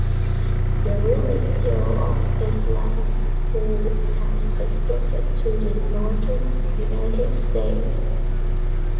The lyrics tell of a slave who has escaped to the Northern United States.